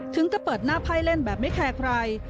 ถึงจะเปิดหน้าไพ่เล่นแบบไม่แคร์ใคร